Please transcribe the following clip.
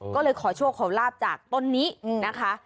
ก็เลยขอชั่วขอลาบจากตรงนี้นะคะ